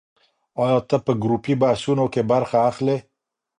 ایا ته په ګروپي بحثونو کې برخه اخلې؟